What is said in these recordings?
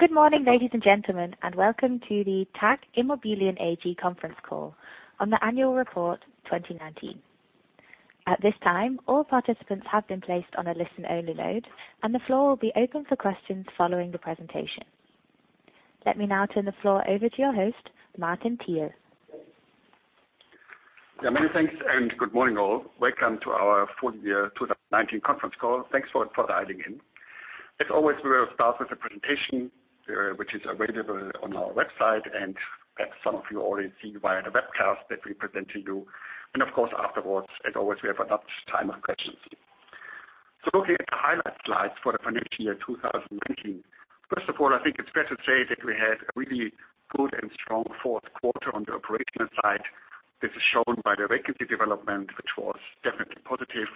Good morning, ladies and gentlemen, welcome to the TAG Immobilien AG conference call on the annual report 2019. At this time, all participants have been placed on a listen-only mode, and the floor will be open for questions following the presentation. Let me now turn the floor over to your host, Martin Thiel. Yeah, many thanks and good morning all. Welcome to our full year 2019 conference call. Thanks for dialing in. As always, we will start with a presentation, which is available on our website, and that some of you already see via the webcast that we present to you. Of course, afterwards, as always, we have enough time for questions. Looking at the highlight slides for the financial year 2019. First of all, I think it's fair to say that we had a really good and strong fourth quarter on the operational side. This is shown by the vacancy development, which was definitely positive,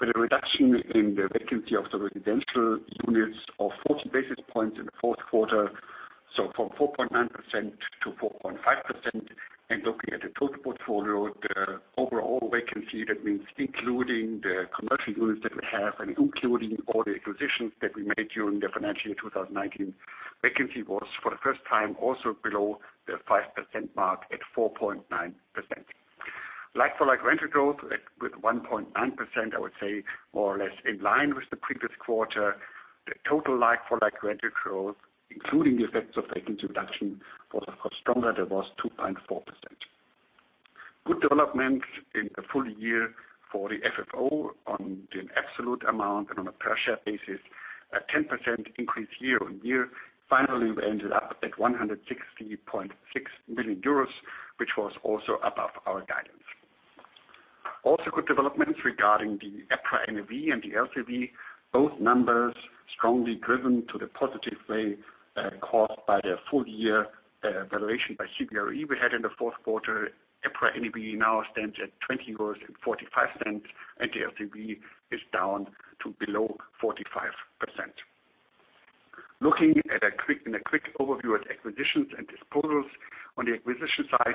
with a reduction in the vacancy of the residential units of 40 basis points in the fourth quarter, so from 4.9%-4.5%. Looking at the total portfolio, the overall vacancy, that means including the commercial units that we have and including all the acquisitions that we made during the financial year 2019, vacancy was for the first time also below the 5% mark at 4.9%. Like-for-like rental growth at 1.9%, I would say more or less in line with the previous quarter. The total like-for-like rental growth, including the effects of vacancy reduction, was of course stronger. That was 2.4%. Good development in the full year for the FFO on the absolute amount and on a per share basis, a 10% increase year-over-year. Finally, we ended up at 160.6 million euros, which was also above our guidance. Also good developments regarding the EPRA NAV and the LTV, both numbers strongly driven to the positive way, caused by the full year valuation by CBRE we had in the fourth quarter. EPRA NAV now stands at 20.45 euros. The LTV is down to below 45%. Looking at a quick overview at acquisitions and disposals. On the acquisition side,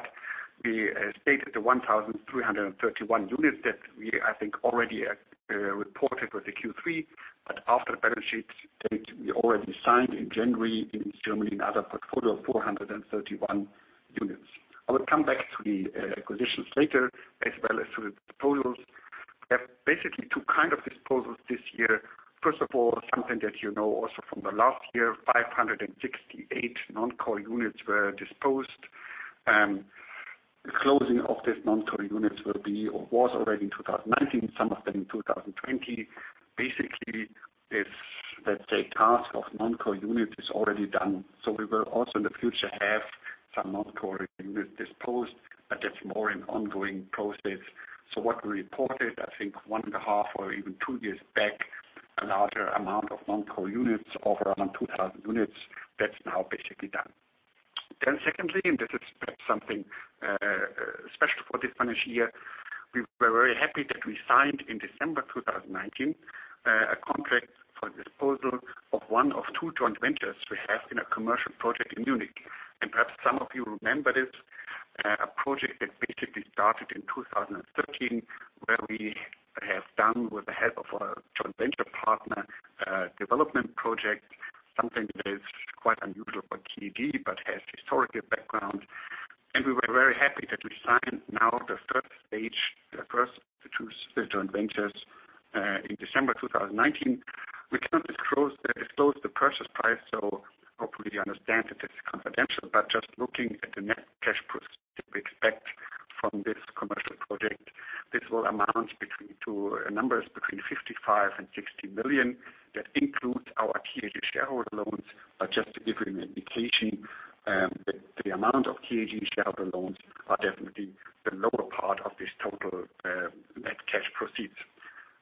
we stated the 1,331 units that we, I think, already reported with the Q3. After balance sheet date, we already signed in January in Germany another portfolio, 431 units. I will come back to the acquisitions later, as well as to the disposals. We have basically two kinds of disposals this year. First of all, something that you know also from the last year, 568 non-core units were disposed. The closing of these non-core units will be, or was already in 2019, some of them in 2020. Basically, the task of non-core units is already done. We will also in the future have some non-core units disposed, but that's more an ongoing process. What we reported, I think one and a half or even two years back, a larger amount of non-core units of around 2,000 units, that's now basically done. Secondly, this is perhaps something special for this financial year. We were very happy that we signed in December 2019, a contract for disposal of one of two joint ventures we have in a commercial project in Munich. Perhaps some of you remember this, a project that basically started in 2013, where we have done with the help of our joint venture partner, a development project. Something that is quite unusual for TAG, but has historical background. We were very happy that we signed now the first stage, the first of the two joint ventures, in December 2019. We cannot disclose the purchase price, so hopefully you understand that it's confidential. Just looking at the net cash proceeds we expect from this commercial project, this will amount between 55 million and 60 million. That includes our TAG shareholder loans. Just to give you an indication, the amount of TAG shareholder loans are definitely the lower part of this total net cash proceeds.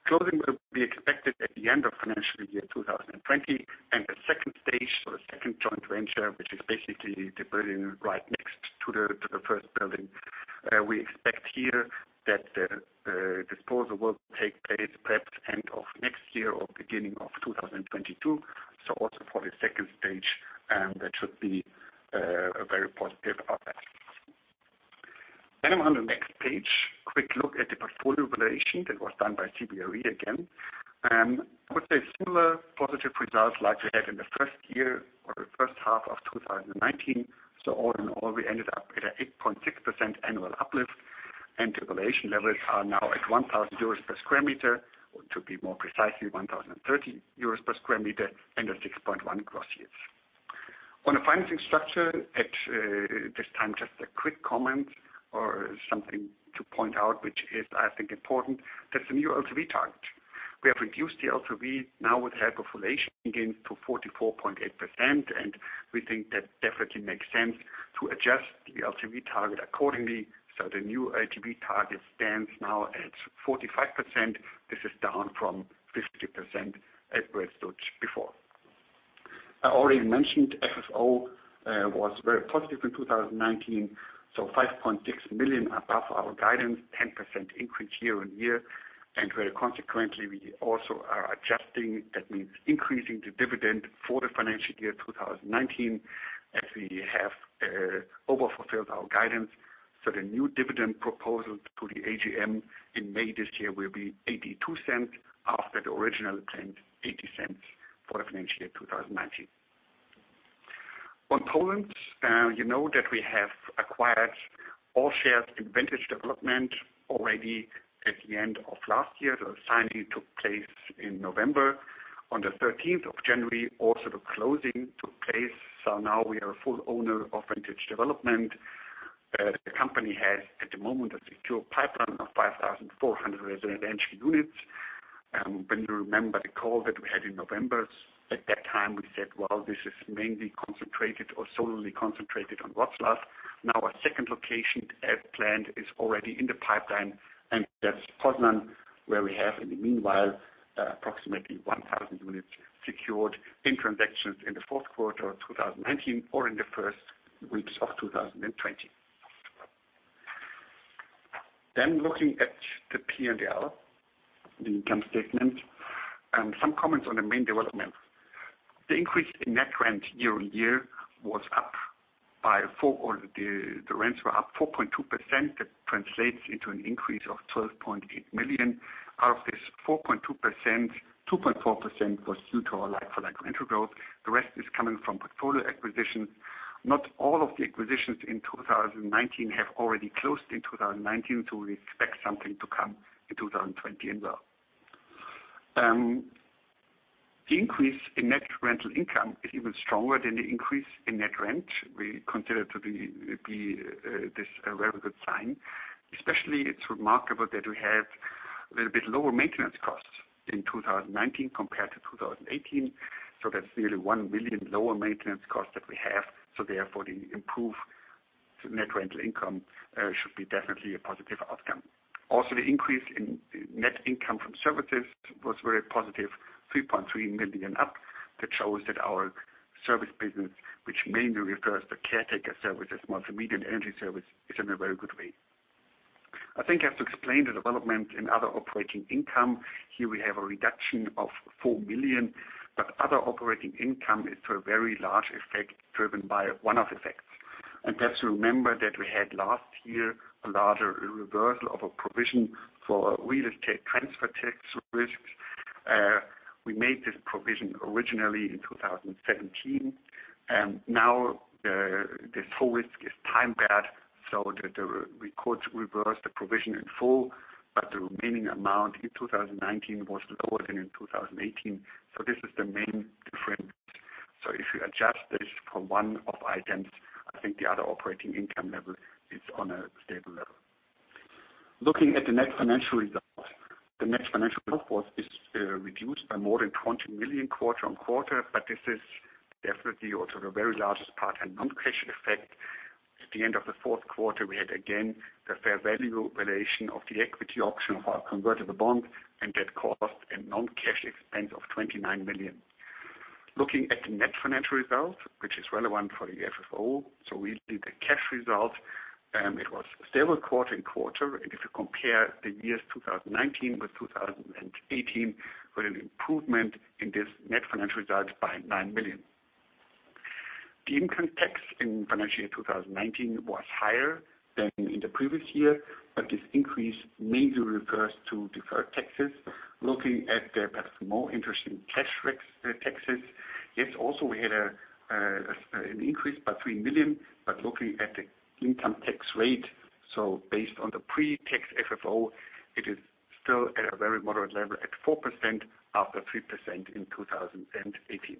Closing will be expected at the end of financial year 2020, and the Stage 2 or the second joint venture, which is basically the building right next to the first building. We expect here that the disposal will take place perhaps end of next year or beginning of 2022, so also for the Stage 2, that should be a very positive effect. I'm on the next page. Quick look at the portfolio valuation that was done by CBRE again. I would say similar positive results like we had in the first year or the first half of 2019. All in all, we ended up at a 8.6% annual uplift, and the valuation levels are now at 1,000 euros /sq m, or to be more precise, 1,030 euros /sq m and a 6.1 gross yield. On the financing structure, at this time, just a quick comment or something to point out, which is I think important. That's the new LTV target. We have reduced the LTV now with the help of valuation gains to 44.8%, and we think that definitely makes sense to adjust the LTV target accordingly. The new LTV target stands now at 45%. This is down from 50% as we had stood before. I already mentioned FFO was very positive in 2019, so 5.6 million above our guidance, 10% increase year-on-year. Very consequently, we also are adjusting, that means increasing the dividend for the financial year 2019. We have overfulfilled our guidance. The new dividend proposal to the AGM in May this year will be 0.82 after the original planned 0.80 for the financial year 2019. On Poland, you know that we have acquired all shares in Vantage Development already at the end of last year. The signing took place in November. On January 13th, also the closing took place, so now we are a full owner of Vantage Development. The company has, at the moment, a secure pipeline of 5,400 residential units. When you remember the call that we had in November, at that time, we said, "Well, this is mainly concentrated or solely concentrated on Wroclaw." A second location, as planned, is already in the pipeline, and that's Poznan, where we have, in the meanwhile, approximately 1,000 units secured in transactions in the fourth quarter of 2019 or in the first weeks of 2020. Looking at the P&L, the income statement. Some comments on the main development. The increase in net rent year-on-year was up by four, or the rents were up 4.2%. That translates into an increase of 12.8 million. Out of this 4.2%, 2.4% was due to our like-for-like rental growth. The rest is coming from portfolio acquisitions. Not all of the acquisitions in 2019 have already closed in 2019, so we expect something to come in 2020 as well. The increase in net rental income is even stronger than the increase in net rent. We consider to be this a very good sign. Especially, it's remarkable that we have a little bit lower maintenance costs in 2019 compared to 2018. That's nearly 1 million lower maintenance cost that we have. Therefore, the improved net rental income should be definitely a positive outcome. Also, the increase in net income from services was very positive, 3.3 million up. That shows that our service business, which mainly refers to caretaker services, multi-media and energy service, is in a very good way. I think I have to explain the development in other operating income. Here we have a reduction of 4 million, but other operating income is, to a very large effect, driven by one-off effects. Perhaps remember that we had last year a larger reversal of a provision for real estate transfer tax risks. We made this provision originally in 2017, now this whole risk is time-barred, the records reverse the provision in full, but the remaining amount in 2019 was lower than in 2018. This is the main difference. If you adjust this for one-off items, I think the other operating income level is on a stable level. Looking at the net financial results, the net financial result is reduced by more than 20 million quarter-on-quarter, this is definitely also the very largest part, a non-cash effect. At the end of the fourth quarter, we had again the fair value valuation of the equity option of our convertible bond, that caused a non-cash expense of 29 million. Looking at the net financial result, which is relevant for the FFO, so really the cash result, it was stable quarter-over-quarter. If you compare the years 2019 with 2018, with an improvement in this net financial result by 9 million. The income tax in financial year 2019 was higher than in the previous year, but this increase mainly refers to deferred taxes. Looking at the, perhaps more interesting, cash taxes. Yes, also we had an increase by 3 million, but looking at the income tax rate, so based on the pre-tax FFO, it is still at a very moderate level at 4% after 3% in 2018.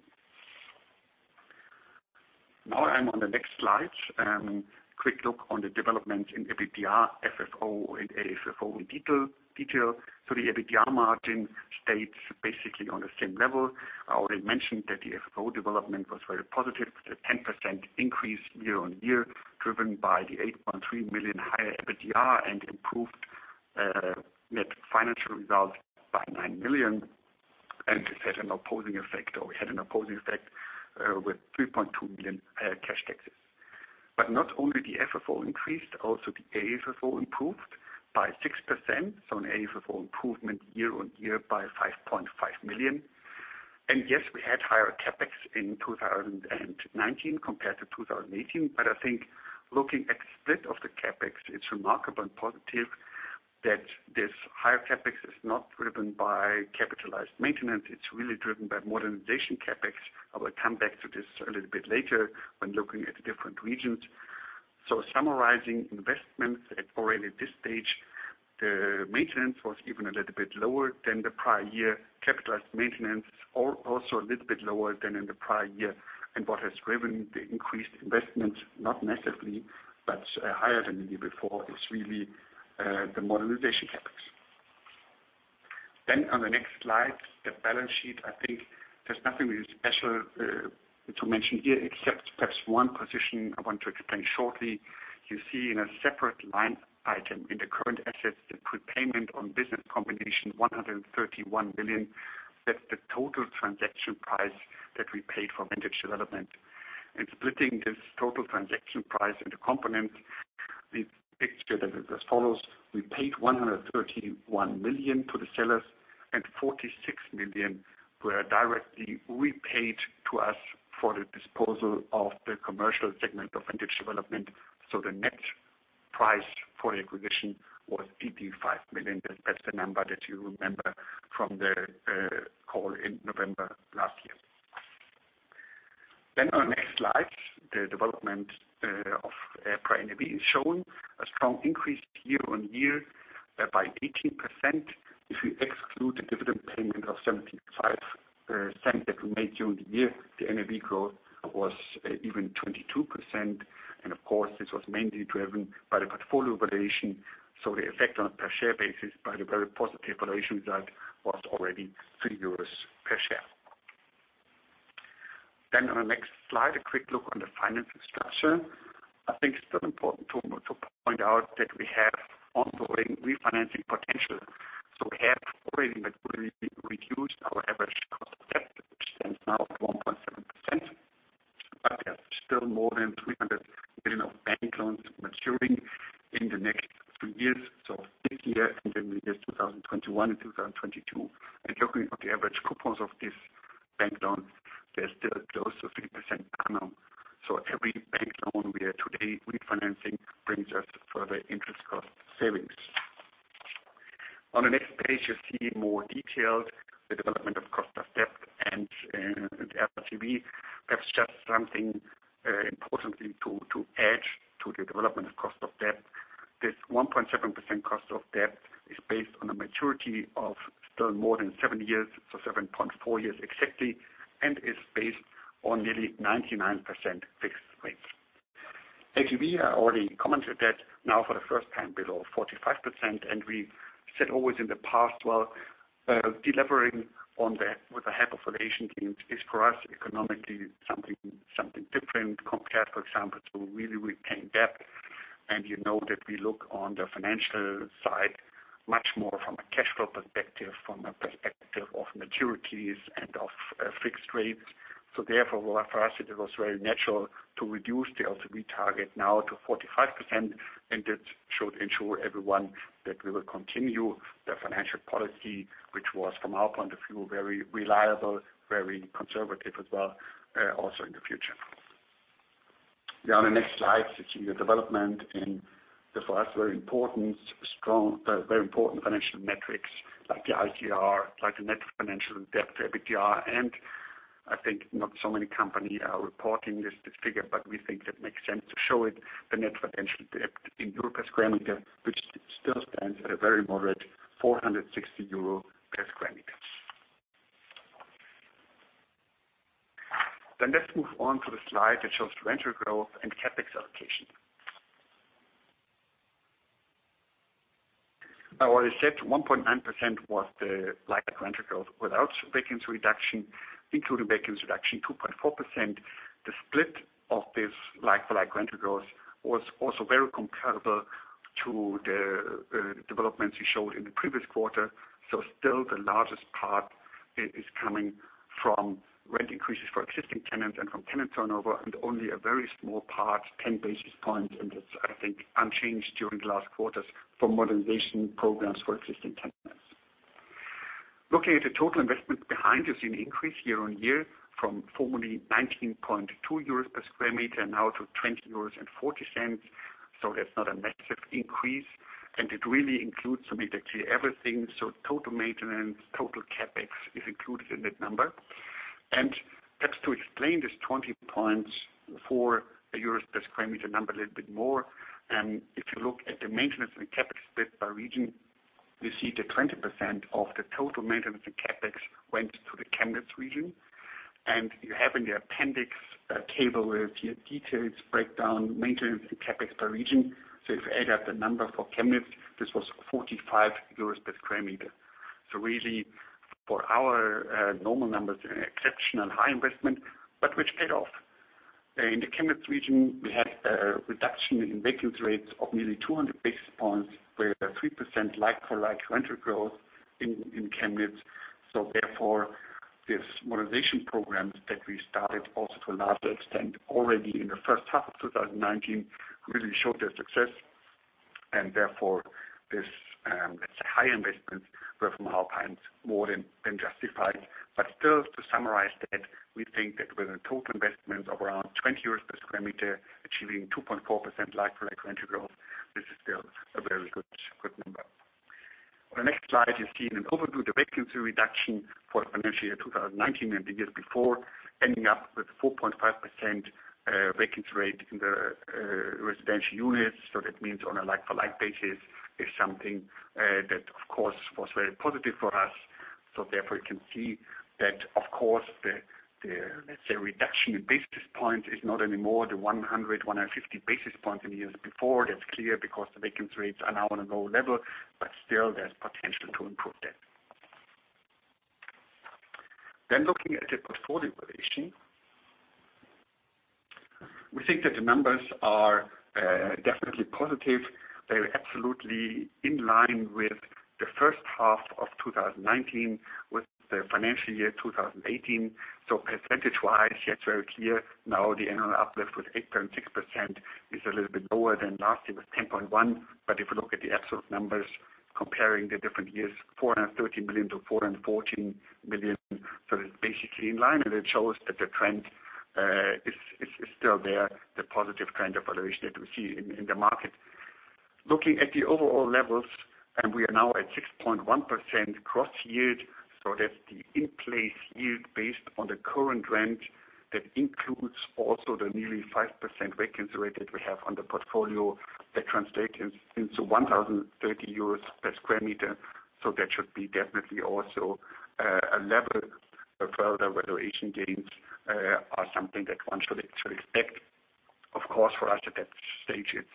I'm on the next slide. Quick look on the development in EBITDA, FFO, and AFFO in detail. The EBITDA margin stays basically on the same level. I already mentioned that the FFO development was very positive with a 10% increase year on year, driven by the 8.3 million higher EBITDA and improved net financial results by 9 million. This had an opposing effect, or we had an opposing effect with 3.2 million cash taxes. Not only the FFO increased, also the AFFO improved by 6%, so an AFFO improvement year on year by 5.5 million. Yes, we had higher CapEx in 2019 compared to 2018. I think looking at the split of the CapEx, it's remarkable and positive that this higher CapEx is not driven by capitalized maintenance. It's really driven by modernization CapEx. I will come back to this a little bit later when looking at the different regions. Summarizing investments at already this stage, the maintenance was even a little bit lower than the prior year. Capitalized maintenance, a little bit lower than in the prior year. What has driven the increased investment, not massively, but higher than the year before, is really the modernization CapEx. On the next slide, the balance sheet. I think there's nothing really special to mention here except perhaps one position I want to explain shortly. You see in a separate line item in the current assets, the prepayment on business combination 131 million. That's the total transaction price that we paid for Vantage Development. Splitting this total component, the picture that is as follows: we paid 131 million to the sellers and 46 million were directly repaid to us for the disposal of the commercial segment of Vantage Development. The net price for the acquisition was 55 million. That's the number that you remember from the call in November last year. On the next slide, the development of EPRA NAV is shown. A strong increase year-over-year by 18%. If you exclude the dividend payment of 0.75 that we made during the year, the NAV growth was even 22%. Of course, this was mainly driven by the portfolio valuation. The effect on a per share basis by the very positive valuation result was already 3 euros per share. On the next slide, a quick look on the financial structure. I think it's still important to point out that we have ongoing refinancing potential. We have already materially reduced our average cost of debt, which stands now at 1.7%. There are still more than 300 million of bank loans maturing in the next two years, this year and then the years 2021 and 2022. Looking at the average coupons of these bank loans, there is still close to 3% per annum. Every bank loan we are today refinancing brings us further interest cost savings. On the next page, you see more details, the development of cost of debt and the LTV. Perhaps just something importantly to add to the development of cost of debt. This 1.7% cost of debt is based on a maturity of still more than seven years, so 7.4 years exactly, and is based on nearly 99% fixed rates. LTV, I already commented that now for the first time below 45% and we said always in the past, while delivering on that with the help of valuation gains is for us economically something different compared, for example, to really repaying debt. You know that we look on the financial side much more from a cash flow perspective, from a perspective of maturities and of fixed rates. Therefore, for us, it was very natural to reduce the LTV target now to 45% and that should ensure everyone that we will continue the financial policy, which was from our point of view, very reliable, very conservative as well, also in the future. On the next slide you see the development in the, for us, very important financial metrics like the ICR, like the net financial debt to EBITDA. I think not so many company are reporting this figure, but we think it makes sense to show it, the net financial debt in euro per square meter, which still stands at a very moderate 460 euro /sq m. Let's move on to the slide that shows rental growth and CapEx allocation. I already said 1.9% was the like-for-like rental growth without vacancy reduction. Including vacancy reduction, 2.4%. The split of this like-for-like rental growth was also very comparable to the developments we showed in the previous quarter. Still the largest part is coming from rent increases for existing tenants and from tenant turnover and only a very small part, 10 basis points. That's, I think, unchanged during the last quarters from modernization programs for existing tenants. Looking at the total investment behind, you see an increase year on year from formerly 19.2 euros /sq m now to 20.40 euros. That's not a massive increase and it really includes immediately everything. Total maintenance, total CapEx is included in that number. Perhaps to explain this 20.4 euros /sq m number a little bit more, if you look at the maintenance and CapEx split by region, you see that 20% of the total maintenance and CapEx went to the Chemnitz region. You have in the appendix a table with the detailed breakdown, maintenance and CapEx by region. If you add up the number for Chemnitz, this was 45 euros /sq m. Really for our normal numbers, an exceptional high investment, but which paid off. In the Chemnitz region, we had a reduction in vacancy rates of nearly 200 basis points with 3% like-for-like rental growth in Chemnitz. Therefore, this modernization programs that we started also to a large extent already in the first half of 2019, really showed their success. Therefore, these high investments were from our point more than justified. Still to summarize that, we think that with a total investment of around 20 euros /sq m achieving 2.4% like-for-like rental growth, this is still a very good number. On the next slide, you see an overview of the vacancy reduction for the financial year 2019 and the years before, ending up with 4.5% vacancy rate in the residential units. That means on a like-for-like basis is something that, of course, was very positive for us. Therefore, you can see that, of course, let's say reduction in basis points is not any more the 100, 150 basis points in the years before. That's clear because the vacancy rates are now on a low level, but still there's potential to improve that. Looking at the portfolio valuation, we think that the numbers are definitely positive. They were absolutely in line with the first half of 2019 with the financial year 2018. Percentage-wise, it's very clear now the annual uplift with 8.6% is a little bit lower than last year with 10.1%. If you look at the absolute numbers, comparing the different years, 430 million to 414 million. It's basically in line, and it shows that the trend is still there, the positive trend of valuation that we see in the market. Looking at the overall levels, we are now at 6.1% gross yield. That's the in-place yield based on the current rent. That includes also the nearly 5% vacancy rate that we have on the portfolio. That translates into 1,030 euros per sq m. That should be definitely also a level of further valuation gains are something that one should actually expect. Of course, for us at that stage, it's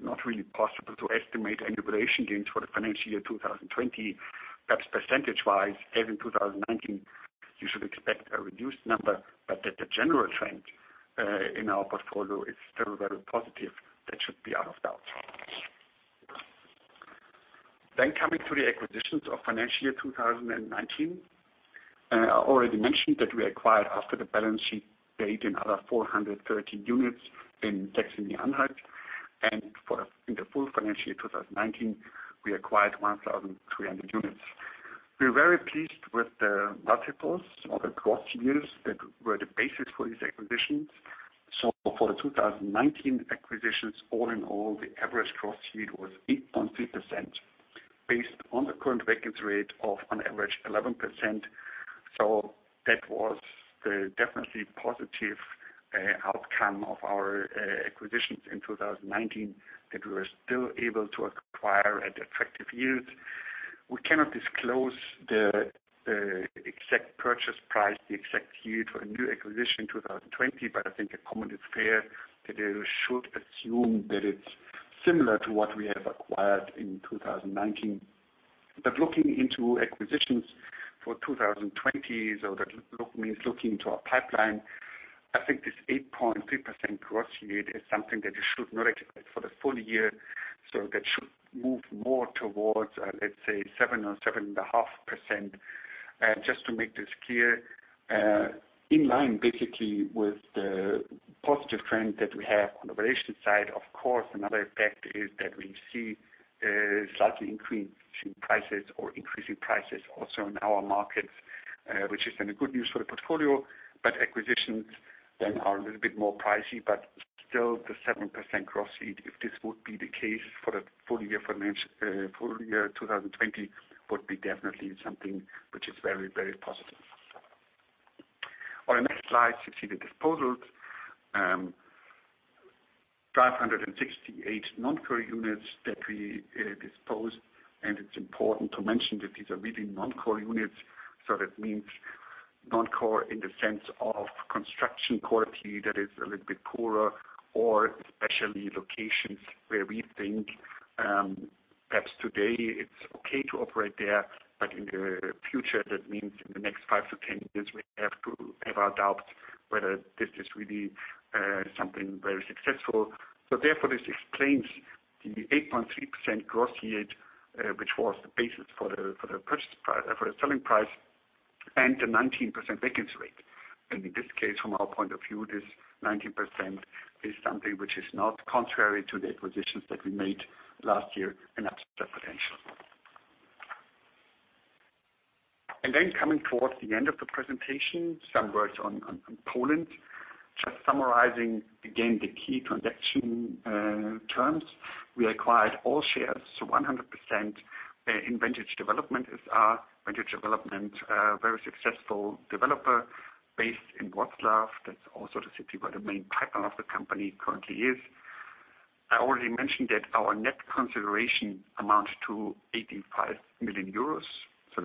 not really possible to estimate any valuation gains for the financial year 2020. Perhaps percentage-wise, even 2019, you should expect a reduced number. That the general trend in our portfolio is still very positive. That should be out of doubt. Coming to the acquisitions of financial year 2019. I already mentioned that we acquired after the balance sheet date another 430 units in Saxony-Anhalt. In the full financial year 2019, we acquired 1,300 units. We're very pleased with the multiples or the gross yields that were the basis for these acquisitions. For the 2019 acquisitions, all in all, the average gross yield was 8.3%, based on the current vacancy rate of on average 11%. That was the definitely positive outcome of our acquisitions in 2019 that we were still able to acquire at attractive yields. We cannot disclose the exact purchase price, the exact yield for new acquisition 2020. I think a comment is fair that you should assume that it's similar to what we have acquired in 2019. Looking into acquisitions for 2020, that means looking into our pipeline. I think this 8.3% gross yield is something that you should not expect for the full year, that should move more towards, let's say, 7% or 7.5%. Just to make this clear, in line basically with the positive trend that we have on the valuation side. Of course, another effect is that we see slightly increasing prices or increasing prices also in our markets, which is then a good news for the portfolio, but acquisitions then are a little bit more pricey. Still the 7% gross yield, if this would be the case for the full year 2020, would be definitely something which is very positive. On the next slide, you see the disposals. 568 non-core units that we disposed. It's important to mention that these are really non-core units. That means non-core in the sense of construction quality that is a little bit poorer or especially locations where we think perhaps today it's okay to operate there, but in the future, that means in the next 5 to 10 years, we have our doubts whether this is really something very successful. Therefore, this explains the 8.3% gross yield, which was the basis for the selling price and the 19% vacancy rate. In this case, from our point of view, this 19% is something which is not contrary to the acquisitions that we made last year and are still potential. Coming towards the end of the presentation, some words on Poland. Just summarizing again the key transaction terms. We acquired all shares, so 100% in Vantage Development. Vantage Development, a very successful developer based in Wroclaw. That's also the city where the main pipeline of the company currently is. I already mentioned that our net consideration amounts to 85 million euros.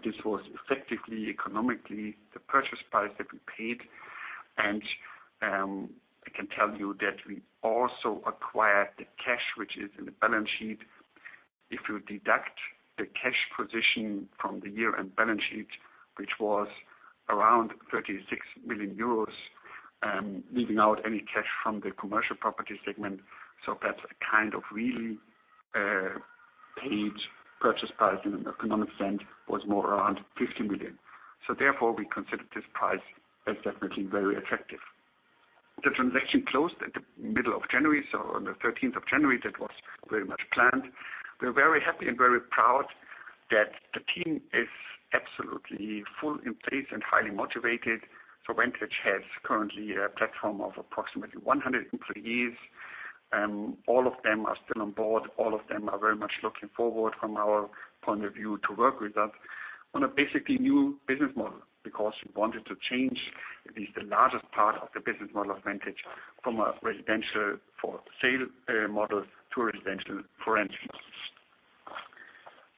This was effectively, economically the purchase price that we paid. I can tell you that we also acquired the cash, which is in the balance sheet. If you deduct the cash position from the year-end balance sheet, which was around 36 million euros, leaving out any cash from the commercial property segment. That's a kind of really paid purchase price in an economic sense, was more around 50 million. Therefore, we considered this price as definitely very attractive. The transaction closed at the middle of January. On the 13th of January, that was very much planned. We're very happy and very proud that the team is absolutely full in place and highly motivated. Vantage has currently a platform of approximately 100 employees, and all of them are still on board. All of them are very much looking forward from our point of view to work with us on a basically new business model because we wanted to change at least the largest part of the business model of Vantage from a residential for sale model to a residential for rent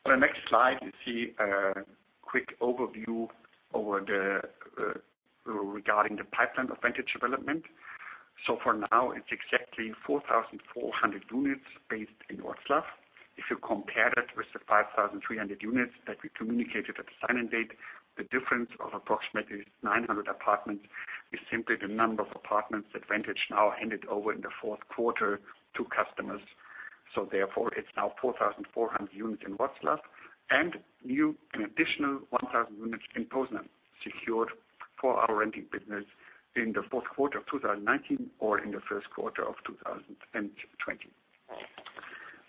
model. You see a quick overview regarding the pipeline of Vantage Development. For now, it is exactly 4,400 units based in Wroclaw. If you compare that with the 5,300 units that we communicated at the signing date, the difference of approximately 900 apartments is simply the number of apartments that Vantage now handed over in the fourth quarter to customers. Therefore, it is now 4,400 units in Wroclaw and new, an additional 1,000 units in Poznan secured for our renting business in the fourth quarter of 2019 or in the first quarter of 2020.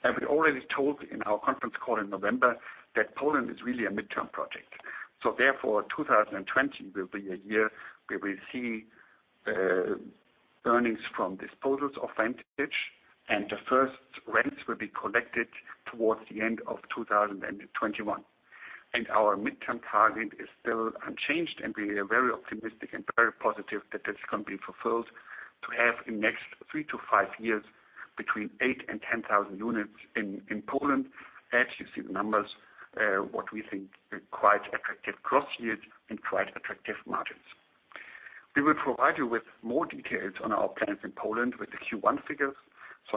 As we already told in our conference call in November, that Poland is really a midterm project. Therefore, 2020 will be a year where we see earnings from disposals of Vantage, and the first rents will be collected towards the end of 2021. Our midterm target is still unchanged, and we are very optimistic and very positive that this can be fulfilled to have in next 3-5 years between 8,000 and 10,000 units in Poland. As you see the numbers, what we think are quite attractive gross yields and quite attractive margins. We will provide you with more details on our plans in Poland with the Q1 figures.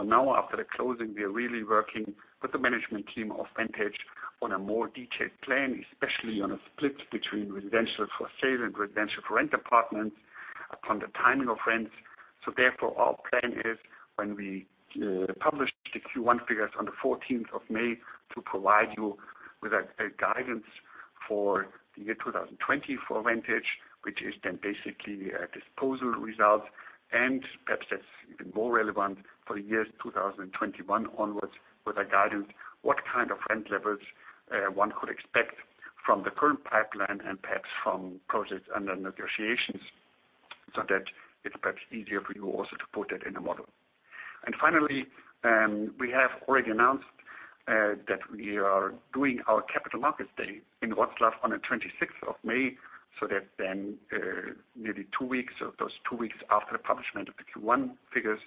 Now after the closing, we are really working with the management team of Vantage on a more detailed plan, especially on a split between residential for sale and residential for rent apartments upon the timing of rents. Therefore, our plan is when we publish the Q1 figures on May 14th, to provide you with a guidance for the year 2020 for Vantage, which is then basically a disposal result and perhaps that is even more relevant for the years 2021 onwards with a guidance, what kind of rent levels one could expect from the current pipeline and perhaps from projects under negotiations, so that it is perhaps easier for you also to put it in a model. Finally, we have already announced that we are doing our capital markets day in Wroclaw on May 26th, so that is then nearly two weeks or those two weeks after the publishment of the Q1 figures.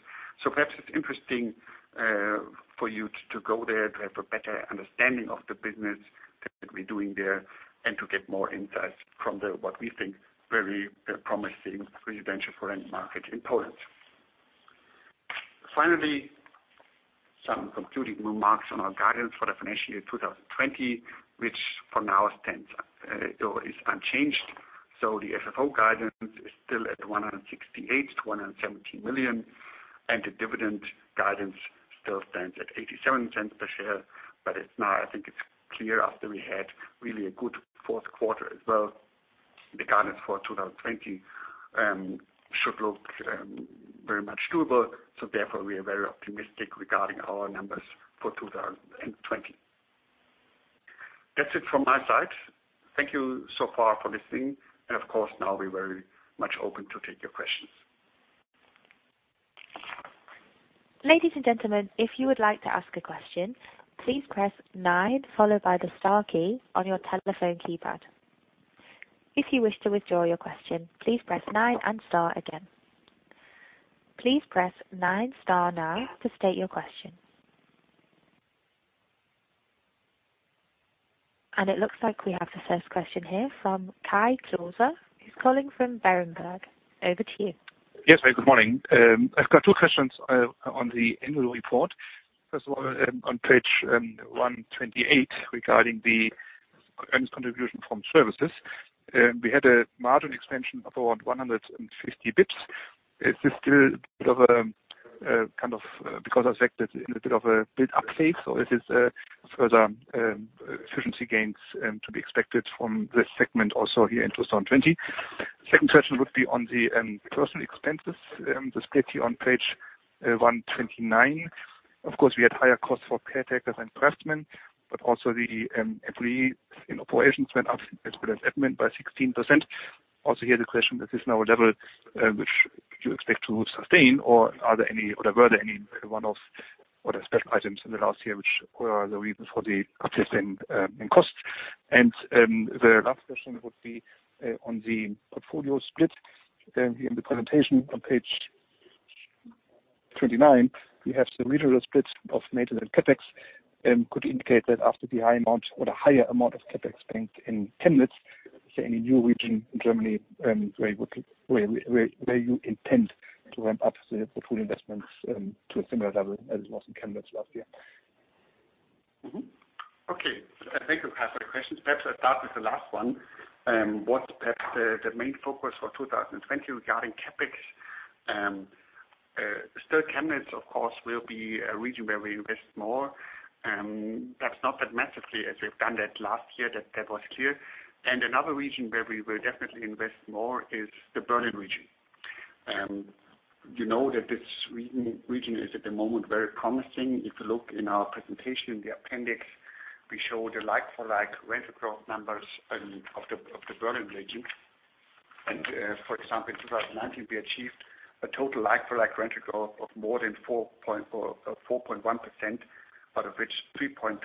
Perhaps it's interesting for you to go there to have a better understanding of the business that we're doing there and to get more insights from the, what we think, very promising residential for rent market in Poland. Finally, some concluding remarks on our guidance for the financial year 2020, which for now stands or is unchanged. The FFO guidance is still at 168 million-170 million, and the dividend guidance still stands at 0.87 per share. It's now, I think it's clear after we had really a good fourth quarter as well, the guidance for 2020 should look very much doable. Therefore, we are very optimistic regarding our numbers for 2020. That's it from my side. Thank you so far for listening, and of course, now we're very much open to take your questions. Ladies and gentlemen, if you would like to ask a question, please press nine, followed by the star key on your telephone keypad. If you wish to withdraw your question, please press nine and star again. Please press nine star now to state your question. It looks like we have the first question here from Kai Klose, who is calling from Berenberg. Over to you. Yes. Hey, good morning. I've got two questions on the annual report. First of all, on page 128 regarding the earnings contribution from services. We had a margin expansion of around 150 basis points. Is this still because of the fact that it's in a bit of a build up phase, or is this further efficiency gains to be expected from this segment also here in 2020? Second question would be on the personal expenses that's stated on page 129. Of course, we had higher costs for caretakers and craftsmen, but also the employees in operations went up as per the admin by 16%. Also here, the question, is this now a level which you expect to sustain or were there any one-off or the special items in the last year which were the reasons for the uptick in costs? The last question would be on the portfolio split. Here in the presentation on page 29, we have the regional split of maintenance CapEx, could you indicate that after the high amount or the higher amount of CapEx spent in Chemnitz, say, in the new region in Germany, where you intend to ramp up the full investments to a similar level as it was in Chemnitz last year? Okay. Thank you, Kai, for the questions. Perhaps I'll start with the last one. What perhaps the main focus for 2020 regarding CapEx. Still Chemnitz, of course, will be a region where we invest more. Perhaps not that massively as we've done that last year. That was clear. Another region where we will definitely invest more is the Berlin region. You know that this region is at the moment very promising. If you look in our presentation in the appendix, we show the like-for-like rental growth numbers of the Berlin region. For example, in 2019, we achieved a total like-for-like rental growth of more than 4.1%, out of which 3.2%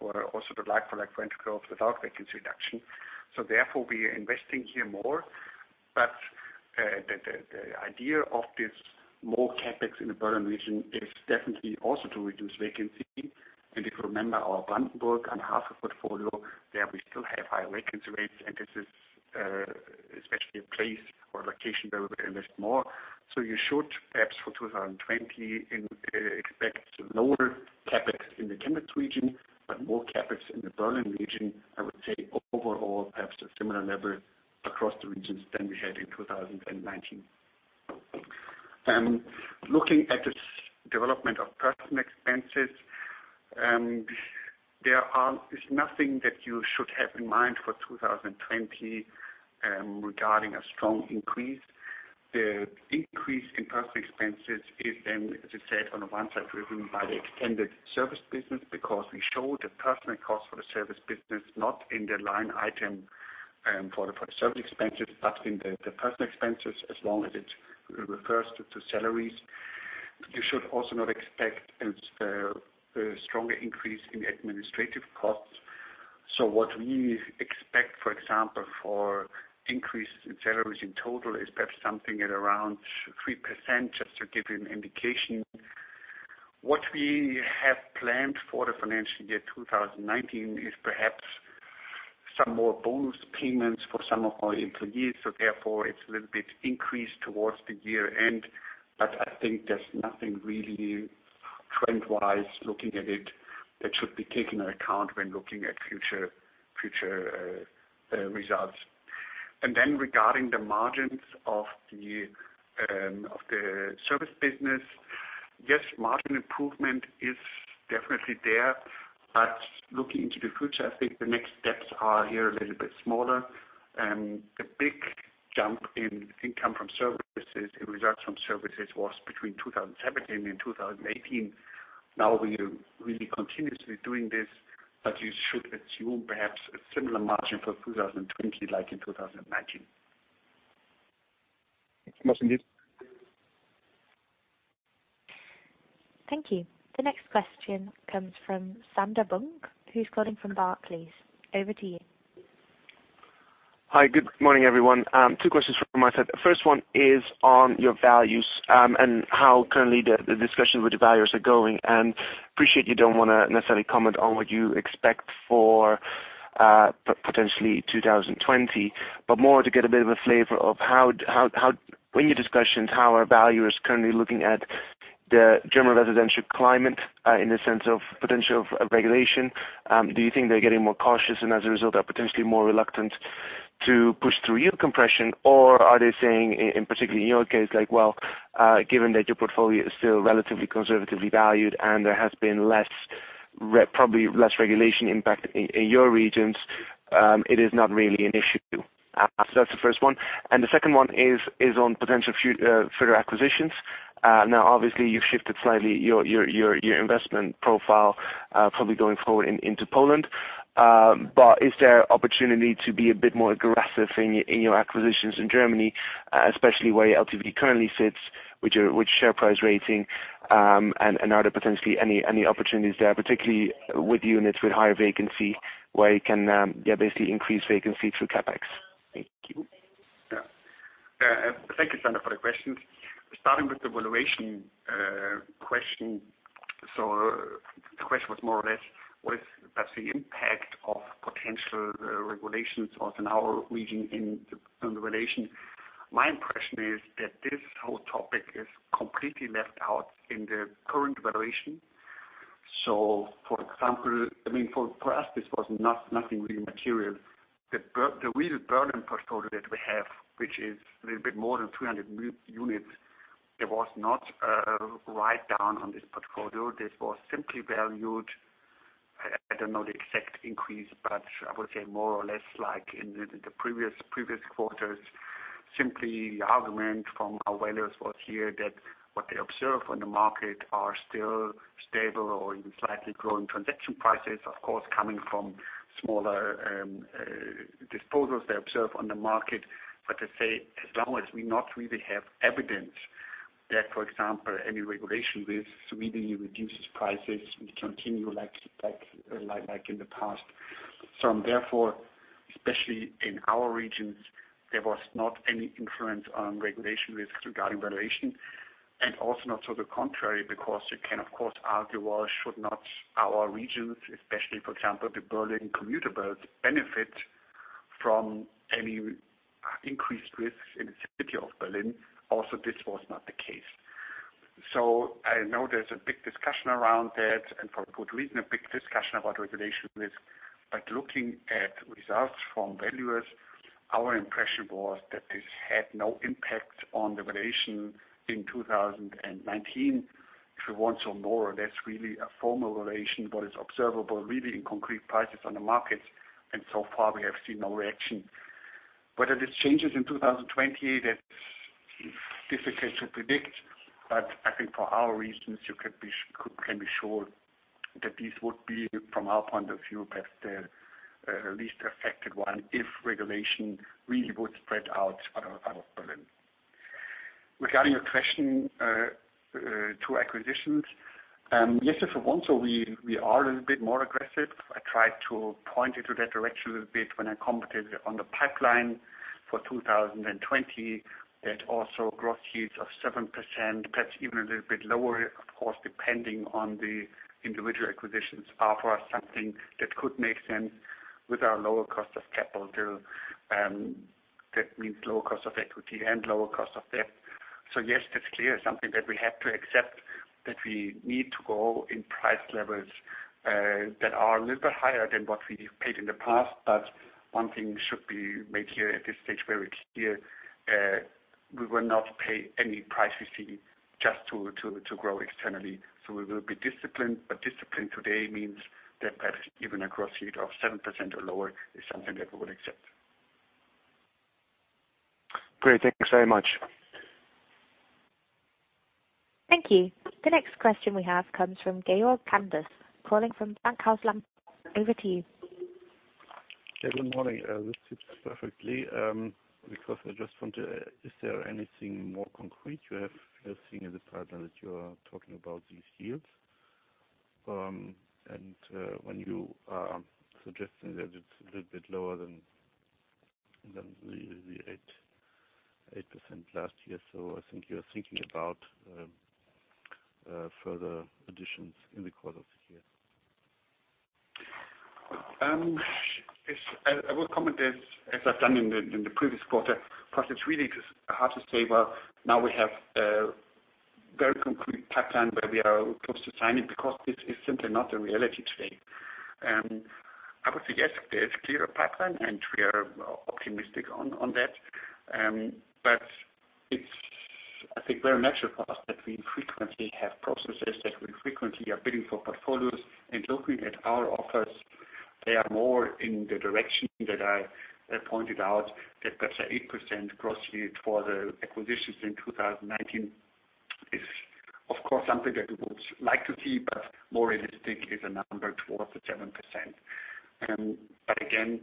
were also the like-for-like rental growth without vacancy reduction. Therefore, we are investing here more, but the idea of this more CapEx in the Berlin region is definitely also to reduce vacancy. If you remember our Brandenburg/Havel portfolio, there we still have high vacancy rates, and this is especially a place or location where we will invest more. You should perhaps for 2020 expect lower CapEx in the Chemnitz region, but more CapEx in the Berlin region. I would say overall, perhaps a similar level across the regions than we had in 2019. Looking at the development of personal expenses, there is nothing that you should have in mind for 2020 regarding a strong increase. The increase in personal expenses is then, as I said, on the one side driven by the extended service business because we show the personal cost for the service business, not in the line item for the service expenses, but in the personal expenses, as long as it refers to salaries. You should also not expect a stronger increase in administrative costs. What we expect, for example, for increases in salaries in total is perhaps something at around 3%, just to give you an indication. What we have planned for the financial year 2019 is perhaps some more bonus payments for some of our employees. Therefore, it's a little bit increased towards the year end, but I think there's nothing really trend-wise, looking at it, that should be taken into account when looking at future results. Regarding the margins of the service business, yes, margin improvement is definitely there. Looking into the future, I think the next steps are here a little bit smaller. The big jump in income from services, in results from services, was between 2017 and 2018. Now we are really continuously doing this, but you should assume perhaps a similar margin for 2020 like in 2019. Thank you. The next question comes from Sander Bunck, who's calling from Barclays. Over to you. Hi, good morning, everyone. Two questions from my side. The first one is on your values and how currently the discussion with the valuers are going. Appreciate you don't want to necessarily comment on what you expect for potentially 2020, but more to get a bit of a flavor of in your discussions, how are valuers currently looking at the general residential climate in the sense of potential regulation? Do you think they're getting more cautious and as a result are potentially more reluctant to push through yield compression? Are they saying, in particularly in your case, given that your portfolio is still relatively conservatively valued and there has been probably less regulation impact in your regions, it is not really an issue. That's the first one. The second one is on potential further acquisitions. Now, obviously, you've shifted slightly your investment profile probably going forward into Poland. Is there opportunity to be a bit more aggressive in your acquisitions in Germany, especially where LTV currently sits with share price rating? Are there potentially any opportunities there, particularly with units with higher vacancy where you can basically increase vacancy through CapEx? Thank you. Thank you, Sander, for the questions. Starting with the valuation question. The question was more or less what is perhaps the impact of potential regulations within our region in the valuation. My impression is that this whole topic is completely left out in the current valuation. For example, for us, this was nothing really material. The real burden portfolio that we have, which is a little bit more than 300 units, there was not a write down on this portfolio. This was simply valued. I don't know the exact increase, but I would say more or less like in the previous quarters. Simply the argument from our valuers was here that what they observe on the market are still stable or even slightly growing transaction prices. Of course, coming from smaller disposals they observe on the market. They say as long as we not really have evidence that, for example, any regulation really reduces prices and continue like in the past. Therefore, especially in our regions, there was not any influence on regulation risks regarding valuation, and also not to the contrary, because you can, of course, argue, well, should not our regions, especially, for example, the Berlin commutable benefit from any increased risks in the city of Berlin. This was not the case. I know there's a big discussion around that, and for good reason, a big discussion about regulation risk. Looking at results from valuers, our impression was that this had no impact on the valuation in 2019. If you want some more, that's really a formal valuation, but it's observable really in concrete prices on the market. So far, we have seen no reaction. Whether this changes in 2020, that is difficult to predict. I think for our regions, you can be sure that these would be, from our point of view, perhaps the least affected one if regulation really would spread out of Berlin. Regarding your question to acquisitions. Yes, if you want, we are a little bit more aggressive. I tried to point you to that direction a little bit when I commented on the pipeline for 2020, that also gross yields of 7%, perhaps even a little bit lower, of course, depending on the individual acquisitions are for us something that could make sense. With our lower cost of capital too. That means lower cost of equity and lower cost of debt. Yes, that's clear, something that we have to accept, that we need to go in price levels that are a little bit higher than what we paid in the past. One thing should be made clear at this stage, very clear. We will not pay any price, you see, just to grow externally. We will be disciplined, but discipline today means that perhaps even a gross yield of 7% or lower is something that we will accept. Great. Thank you so much. Thank you. The next question we have comes from Georg Kanders calling from Bankhaus Lampe. Over to you. Good morning. This suits perfectly, because I just wonder, is there anything more concrete you have seen in the pipeline that you are talking about these yields? When you are suggesting that it's a little bit lower than the 8% last year. I think you're thinking about further additions in the course of the year. I will comment as I've done in the previous quarter, because it's really hard to say, well, now we have a very concrete pipeline where we are close to signing because this is simply not the reality today. I would say yes, there's clear pipeline and we are optimistic on that. It's, I think, very natural for us that we frequently have processes, that we frequently are bidding for portfolios. Looking at our offers, they are more in the direction that I pointed out that perhaps a 8% gross yield for the acquisitions in 2019 is, of course, something that we would like to see, but more realistic is a number towards the 7%. Again,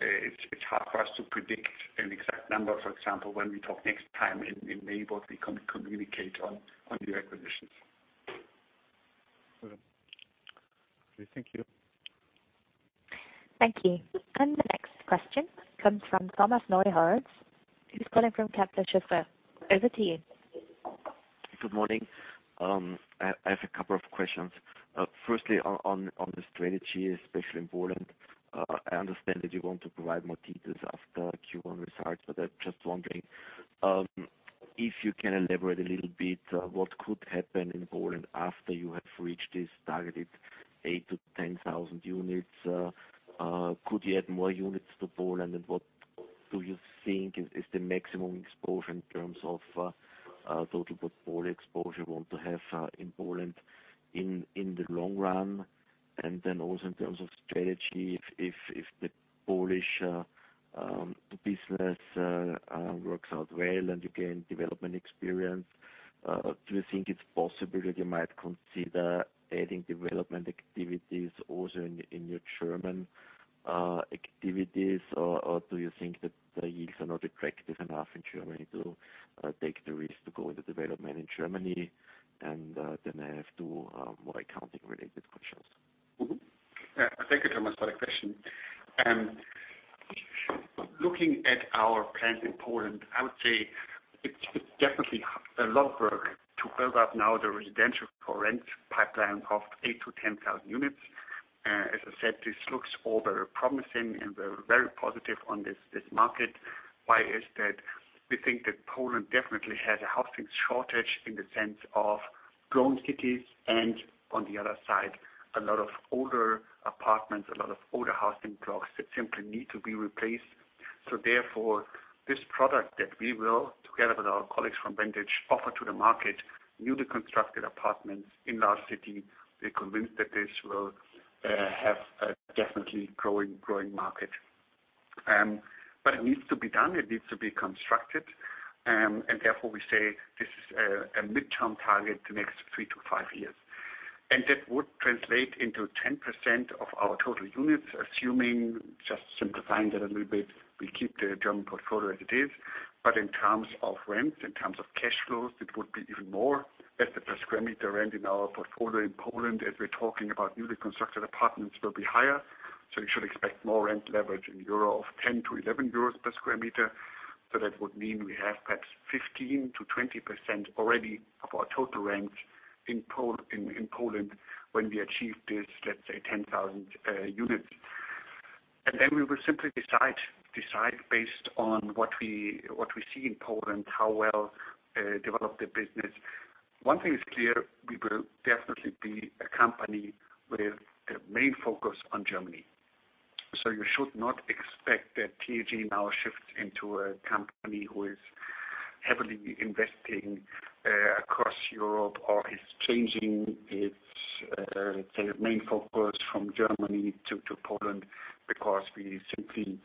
it's hard for us to predict an exact number. For example, when we talk next time in May, what we can communicate on new acquisitions. Thank you. Thank you. The next question comes from Thomas Neuhold, who is calling from Kepler Cheuvreux. Over to you. Good morning. I have a couple of questions. Firstly, on the strategy, especially in Poland, I understand that you want to provide more details after Q1 results, but I was wondering if you can elaborate a little bit what could happen in Poland after you have reached this targeted 8,000 to 10,000 units, could you add more units for Poland? And what do you think is the maximum exposure in terms of total football exposure you want to have in Poland in the long run? And then also in terms of strategy, if the Polish business works out well and you can develop an experience, do you think it's possible you might consider adding development activities also in your German activities, or do you think that the yields are not attractive enough in Germany to take the risk to go into development in Germany? And then I have to [countercredit]. Thank you, Thomas, for that question. Looking at our plans in Poland, I would say it's definitely a lot of work to build up now the residential for rent pipeline of 8,000 to 10,000 units. As I said, this looks all very promising and we're very positive on this market. Why is that? We think that Poland definitely has a housing shortage in the sense of growing cities and on the other side, a lot of older apartments, a lot of older housing blocks that simply need to be replaced. Therefore, this product that we will, together with our colleagues from Vantage, offer to the market, newly constructed apartments in large city. We are convinced that this will have a definitely growing market. It needs to be done, it needs to be constructed. Therefore we say this is a midterm target, the next three to five years. That would translate into 10% of our total units, assuming, just simplifying that a little bit, we keep the German portfolio as it is. In terms of rent, in terms of cash flows, it would be even more as the per square meter rent in our portfolio in Poland, as we're talking about newly constructed apartments, will be higher. You should expect more rent leverage in 10-11 euros /sq m. That would mean we have perhaps 15%-20% already of our total rent in Poland when we achieve this, let's say, 10,000 units. We will simply decide based on what we see in Poland, how well developed the business. One thing is clear, we will definitely be a company with the main focus on Germany. You should not expect that TAG now shifts into a company who is heavily investing across Europe or is changing its main focus from Germany to Poland, because we simply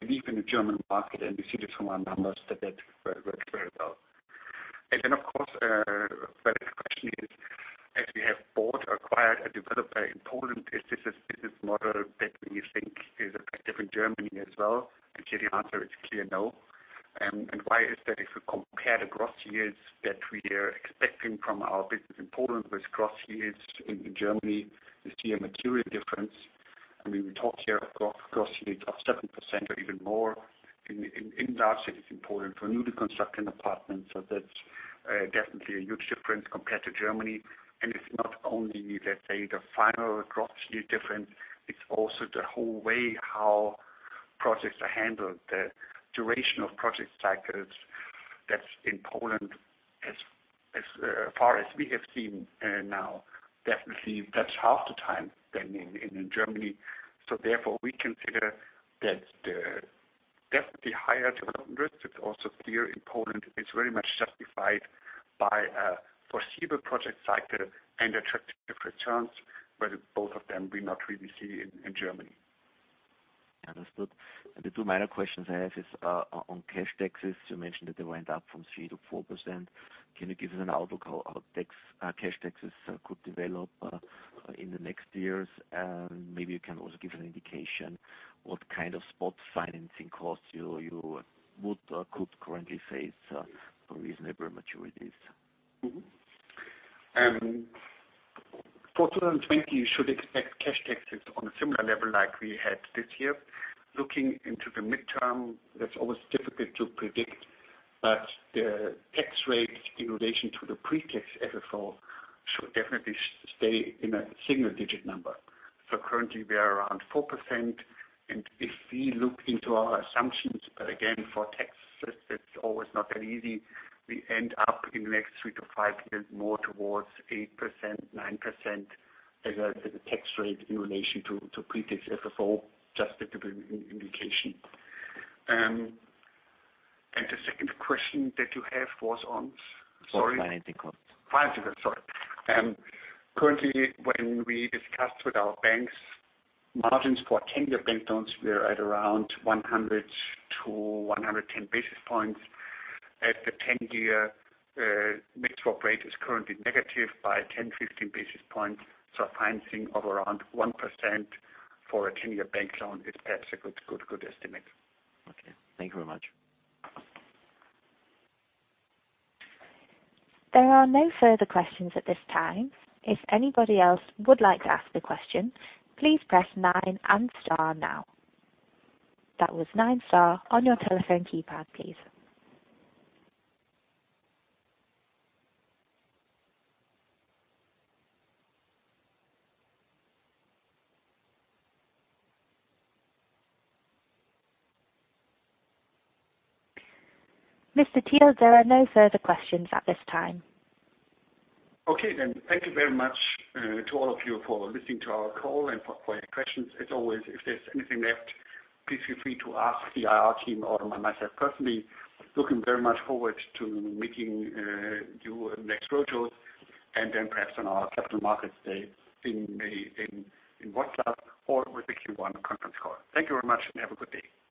believe in the German market, and we see this from our numbers that works very well. Of course, the question is, as we have bought or acquired a developer in Poland, is this a business model that we think is applicable in Germany as well? Here the answer is clear no. Why is that? If you compare the gross yields that we are expecting from our business in Poland with gross yields in Germany, you see a material difference. We talk here of gross yields of 7% or even more. In large cities in Poland, we're newly constructing apartments. That's definitely a huge difference compared to Germany. It's not only, let's say, the final cost is different, it's also the whole way how projects are handled. The duration of project cycles that's in Poland, as far as we have seen now, definitely that's half the time than in Germany. Therefore, we consider that the definitely higher development risk that's also there in Poland is very much justified by a foreseeable project cycle and attractive returns, where both of them we not really see in Germany. Understood. The two minor questions I have is on cash taxes. You mentioned that they went up from 3%-4%. Can you give us an outlook how cash taxes could develop in the next years? Maybe you can also give an indication what kind of spot financing costs you would or could currently face for reasonable maturities. For 2020, you should expect cash taxes on a similar level like we had this year. Looking into the midterm, that's always difficult to predict. The tax rate in relation to the pre-tax FFO should definitely stay in a single-digit number. Currently, we are around 4% and if we look into our assumptions, again, for tax, that's always not that easy. We end up in the next three to five years more towards 8%, 9% as a tax rate in relation to pre-tax FFO. Just a typical indication. The second question that you have was on? Sorry. Financing costs. Financing costs, sorry. Currently, when we discuss with our banks, margins for 10-year bank loans were at around 100 to 110 basis points. At the 10-year, mid-swap rate is currently negative by 10, 15 basis points. Financing of around 1% for a 10-year bank loan is perhaps a good estimate. Okay. Thank you very much. There are no further questions at this time. If anybody else would like to ask a question, please press nine and star now. That was nine star on your telephone keypad, please. Mr. Thiel, there are no further questions at this time. Okay. Thank you very much to all of you for listening to our call and for your questions. As always, if there's anything left, please feel free to ask the IR team or myself personally. Looking very much forward to meeting you at the next roadshow and then perhaps on our capital markets day in May in Wroclaw or with the Q1 conference call. Thank you very much and have a good day.